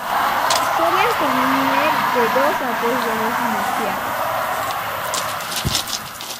Suelen poner de dos a tres huevos moteados.